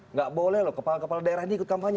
nggak boleh loh kepala kepala daerah ini ikut kampanye